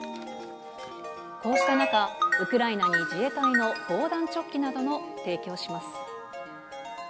こうした中、ウクライナに自衛隊の防弾チョッキなどを提供します。